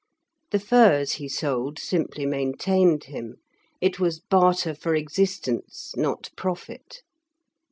The furs he sold simply maintained him; it was barter for existence, not profit.